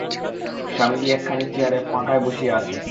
স্বামীজী একখানি চেয়ারে ফাঁকায় বসিয়া আছেন।